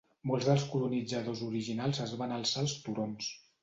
Molts dels colonitzadors originals es van alçar als "turons".